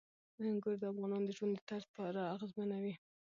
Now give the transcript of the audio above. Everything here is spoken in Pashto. انګور د افغانانو د ژوند طرز پوره اغېزمنوي.